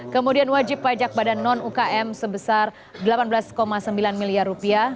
kemudian wajib pajak badan non ukm sebesar delapan belas sembilan miliar rupiah